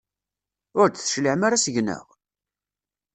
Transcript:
Ur d-tecliɛem ara seg-neɣ?